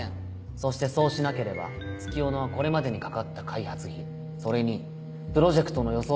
そしてそうしなければ月夜野はこれまでにかかった開発費それにプロジェクトの予想